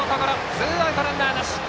ツーアウトランナーなし。